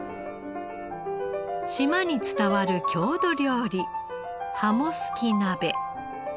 島に伝わる郷土料理ハモすき鍋。